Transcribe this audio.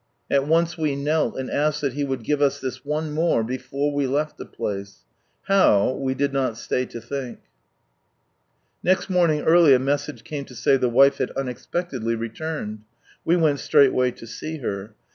At once we knelt, and asked that He would give us this one more, before we left the place. Ilmo, we did not stay to think. Birthday Gift; Next morning early a message came to say ihe wife had unexpectedly returned. We went straightway to see her.